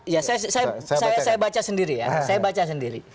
ya saya baca sendiri ya saya baca sendiri